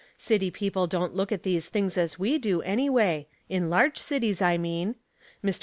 City people don't look at these things as we do, anyway — in large cities, I mean. Mr.